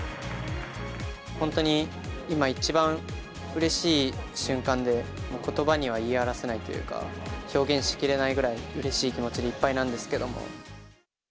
本当に今、一番うれしい瞬間で、もうことばには言い表せないというか、表現しきれないぐらいうれしい気持ちでいっぱいなんですけども。